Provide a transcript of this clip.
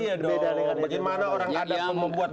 iya dong bagaimana orang ada yang membuat